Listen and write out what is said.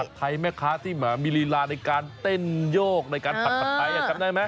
ปัดไทยไหมคะที่หมามิลีลาในการเต้นโยกในการผัดปัดไทยนะครับได้ไหม